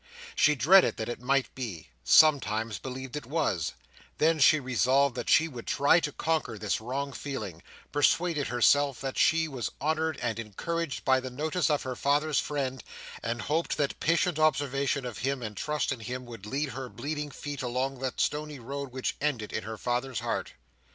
She dreaded that it might be; sometimes believed it was: then she resolved that she would try to conquer this wrong feeling; persuaded herself that she was honoured and encouraged by the notice of her father's friend; and hoped that patient observation of him and trust in him would lead her bleeding feet along that stony road which ended in her father's heart.